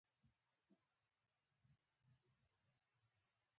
هغوی باید ټیکنالوژي ته وده ورکړي.